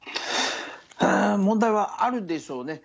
うーん、問題はあるでしょうね。